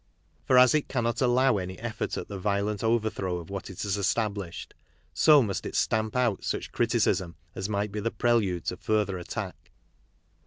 For as it cannot allow any effort at the violent overthrow of what it has established, so must it stamp out such criticism as might be the prelude to further attack.